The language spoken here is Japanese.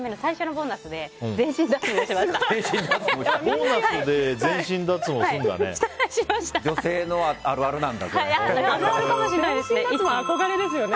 ボーナスで全身脱毛するんだね。